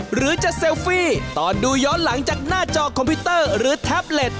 หรือจะเซลฟี่ตอนดูย้อนหลังจากหน้าจอคอมพิวเตอร์หรือแท็บเล็ต